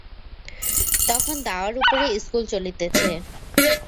তখন দাওয়ার উপরে ইস্কুল চলিতেছে।